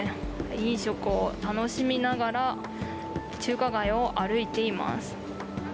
飲食を楽しみながら中華街を歩いています。